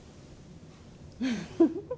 フフフフ。